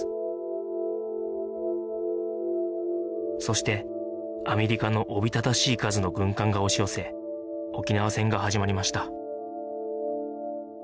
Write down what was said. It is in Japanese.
そしてアメリカのおびただしい数の軍艦が押し寄せ沖縄戦が始まりました